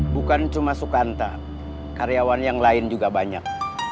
bukan cuma sukata karyawan yang lain juga banyak